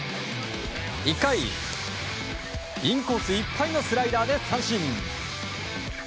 １回、インコースいっぱいのスライダーで三振！